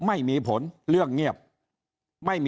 ยิ่งอาจจะมีคนเกณฑ์ไปลงเลือกตั้งล่วงหน้ากันเยอะไปหมดแบบนี้